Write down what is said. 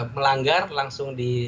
melanggar langsung di